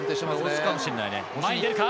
前に出るか。